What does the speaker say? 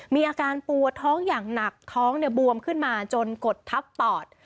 มีอาการปวดท้องอย่างหนักท้องบวมขึ้นมาจนกดทับปอด